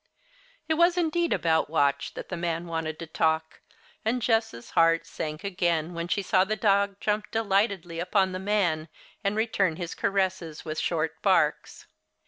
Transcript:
It was indeed about Watch that the man wanted to talk, and Jess' heart sank again when she saw the dog jump delightedly upon the man, and return his caresses with short barks.